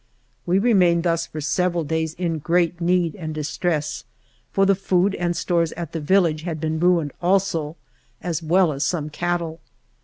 We remained thus for several days in great need and distress, for the food and stores at the village had been ruined also, as well as some cattle.